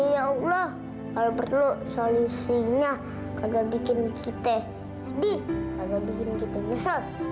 ya allah kalau perlu solusinya agar bikin kita sedih agar bikin kita nyesel